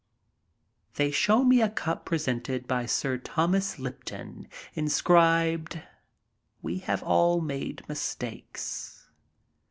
They show me a cup presented by Sir Thomas Lipton, inscribed, "We have all made mistakes."